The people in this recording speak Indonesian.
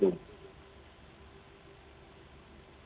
dan secara operasional juga tidak mendukung